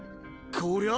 こりゃ。